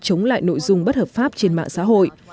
chống lại nội dung bất hợp pháp trên mạng xã hội